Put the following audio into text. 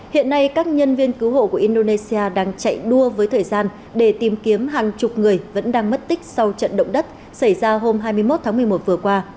hiện nay các nhân viên cứu hộ của indonesia đang chạy đua với thời gian để tìm kiếm hàng chục người vẫn đang mất tích sau trận động đất xảy ra hôm hai mươi một tháng một mươi một vừa qua